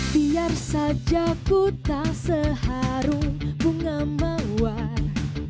biar saja ku tak seharung bunga mawar